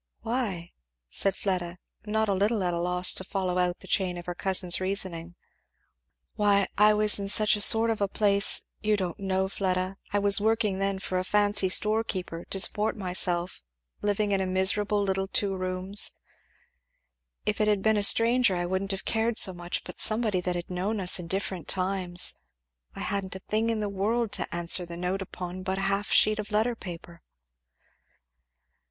"Why?" said Fleda, not a little at a loss to follow out the chain of her cousin's reasoning. "Why I was in such a sort of a place you don't know, Fleda; I was working then for a fancy store keeper, to support myself living in a miserable little two rooms. If it had been a stranger I wouldn't have cared so much, but somebody that had known us in different times I hadn't a thing in the world to answer the note upon but a half sheet of letter paper."